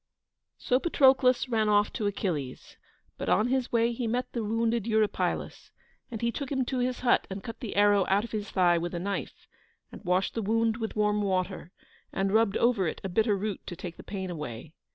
So Patroclus ran off to Achilles; but, on his way, he met the wounded Eurypylus, and he took him to his hut and cut the arrow out of his thigh with a knife, and washed the wound with warm water, and rubbed over it a bitter root to take the pain away.